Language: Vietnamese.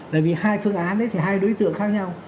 là vì hai phương án thì hai đối tượng khác nhau